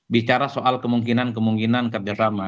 bicara soal kemungkinan kemungkinan kerjasama